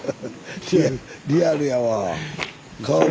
リアルやわ。